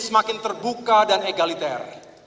semakin terbuka dan egaliter